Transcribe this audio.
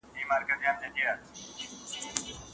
حرص غالب سي عقل ولاړ سي مرور سي